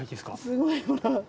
すごいほら。